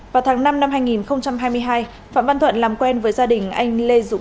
vào tháng năm năm hai nghìn hai mươi hai phạm văn thuận làm quen với gia đình anh lê dũng